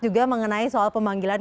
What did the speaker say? juga mengenai soal pemanggilan